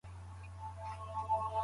د انسان او ټولني اړيکه ژوره ده.